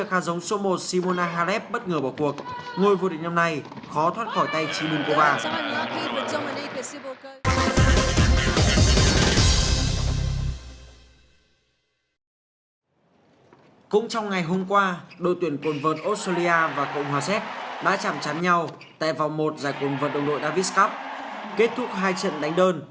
kết thúc hai trận đánh đơn